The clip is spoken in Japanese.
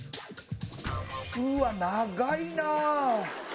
うわっ長いな！